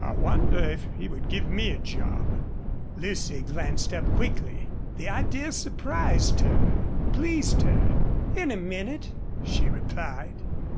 "I wonder if he would give me a job?" Lucy glanced up quickly. The idea surprised her pleased her. "In a minute," she replied.